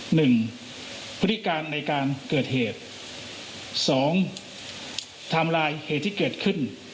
พฤติการในการเกิดเหตุสองไทม์ไลน์เหตุที่เกิดขึ้น